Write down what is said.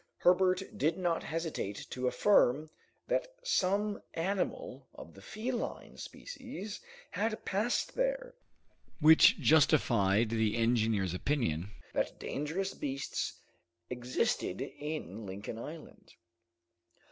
Herbert did not hesitate to affirm that some animal of the feline species had passed there, which justified the engineer's opinion that dangerous beasts existed in Lincoln Island.